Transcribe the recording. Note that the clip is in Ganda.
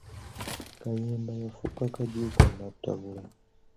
Kayemba yafuuka kagiiko nnattabula.